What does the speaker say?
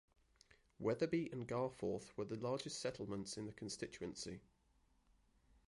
Wetherby and Garforth were the largest settlements in the constituency.